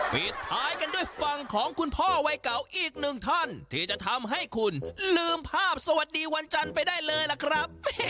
ปิดท้ายกันด้วยฝั่งของคุณพ่อวัยเก่าอีกหนึ่งท่านที่จะทำให้คุณลืมภาพสวัสดีวันจันทร์ไปได้เลยล่ะครับ